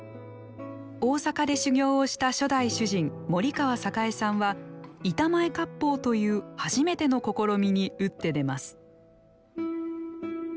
大阪で修業をした初代主人森川栄さんは板前割烹という初めての試みに打って出ます